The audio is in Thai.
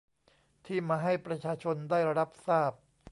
ที่มาให้ประชาชนได้รับทราบ